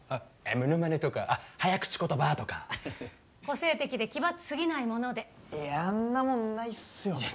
モノマネとか早口言葉とか個性的で奇抜すぎないものでえーんなもんないっすよ